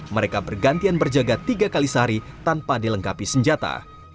mereka bergantian berjaga tiga kali sehari tanpa dilengkapi senjata